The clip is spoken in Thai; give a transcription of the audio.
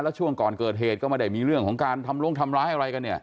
แล้วช่วงก่อนเกิดเหตุก็ไม่ได้มีเรื่องของการทำลงทำร้ายอะไรกันเนี่ย